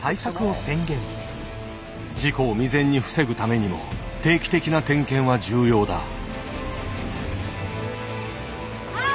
事故を未然に防ぐためにも定期的な点検は重要だ。